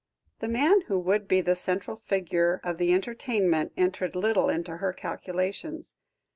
The man who would be the central figure of the entertainment, entered little into her calculations.